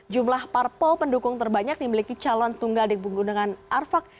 jumlah parpol pendukung terbanyak dimiliki calon tunggal di penggunungan arfak